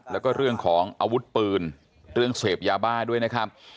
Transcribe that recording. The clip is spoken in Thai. แล้วก็เรื่องของอาวุธปืนเรื่องเสพยาบ้าด้วยนะครับ